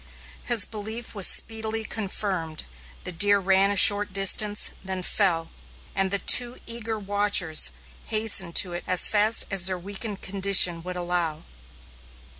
His belief was speedily confirmed. The deer ran a short distance, then fell, and the two eager watchers hastened to it as fast as their weakened condition would allow.